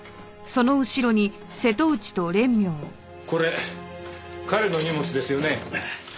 これ彼の荷物ですよね？